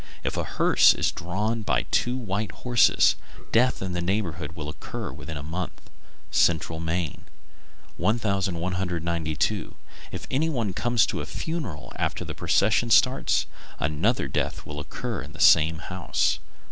If a hearse is drawn by two white horses, death in the neighborhood will occur within a month. Central Maine. 1192. If anyone comes to a funeral after the procession starts, another death will occur in the same house.